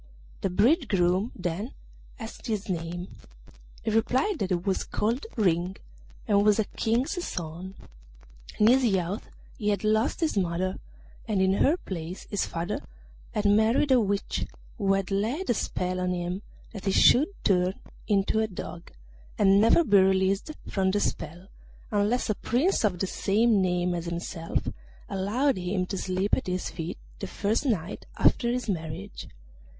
The bridegroom then asked his name; he replied that he was called Ring, and was a King's son. In his youth he had lost his mother, and in her place his father had married a witch, who had laid a spell on him that he should turn into a dog, and never be released from the spell unless a Prince of the same name as himself allowed him to sleep at his feet the first night after his marriage.